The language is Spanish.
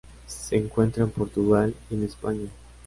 Se encuentra en Portugal y en España.